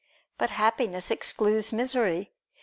But Happiness excludes misery.